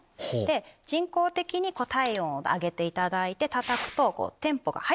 人工的に体温を上げていただいてたたくとテンポが速く。